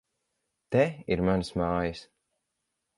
Te ir manas mājas!